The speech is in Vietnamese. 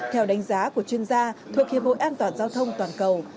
theo đánh giá của chuyên gia thuộc hiệp hội an toàn giao thông toàn cầu